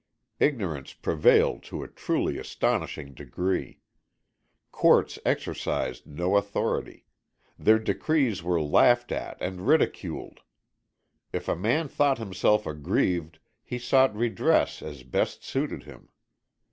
Ignorance prevailed to a truly astonishing degree. Courts exercised no authority; their decrees were laughed at and ridiculed. If a man thought himself aggrieved he sought redress as best suited him.